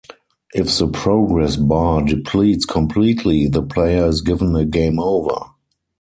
If the progress bar depletes completely, the player is given a Game Over.